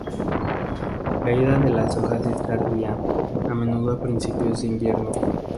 La caída de las hojas es tardía, a menudo a principios de invierno.